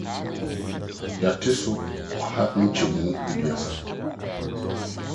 Yɛate so ɔha nkyɛmu aduasa